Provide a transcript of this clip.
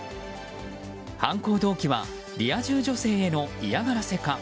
犯行動機はリア充女性への嫌がらせか。